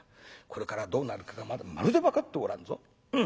これからどうなるかがまだまるで分かっておらんぞ。